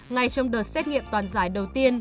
ngay trong đợt xét nghiệm toàn giải đầu tiên